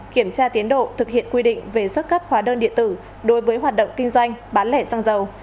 kiểm tra tiến độ thực hiện quy định về xuất cấp hóa đơn điện tử đối với hoạt động kinh doanh bán lẻ xăng dầu